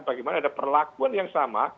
bagaimana ada perlakuan yang sama